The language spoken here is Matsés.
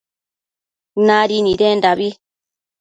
Nadi nidendabi